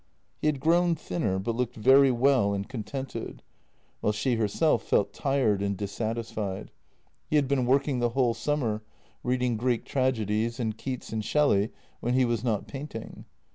He had grown thinner, but looked very well and contented, JENNY 173 while she herself felt tired and dissatisfied. He had been working the whole summer, reading Greek tragedies and Keats and Shelley when he was not painting.